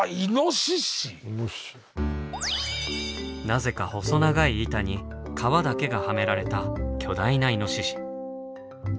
なぜか細長い板に皮だけがはめられた巨大なイノシシ。